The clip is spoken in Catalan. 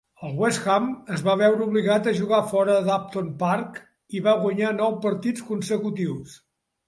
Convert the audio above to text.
El West Ham es va veure obligat a jugar fora d'Upton Park i va guanyar nou partits consecutius.